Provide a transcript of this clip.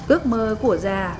ước mơ của già